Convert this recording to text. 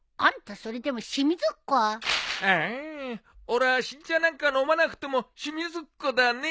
俺は新茶なんか飲まなくても清水っ子だね。